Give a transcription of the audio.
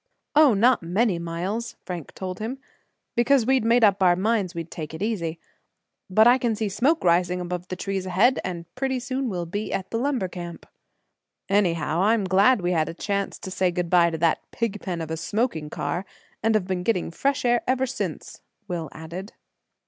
"Oh! not many miles," Frank told him, "because we made up our minds we'd take it easy. But I can see smoke rising above the trees ahead and pretty soon we'll be at the lumber camp." "Anyhow, I'm glad we had a chance to say good by to that pigpen of a smoking car, and have been getting fresh air ever since," Will added.